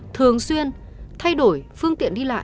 thường xuyên thay đổi phương tiện đi lông